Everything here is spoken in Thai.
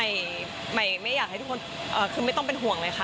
ใหม่ไม่อยากให้ทุกคนคือไม่ต้องเป็นห่วงเลยค่ะ